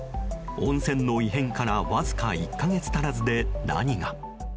温泉の異変からわずか１か月足らずで何が。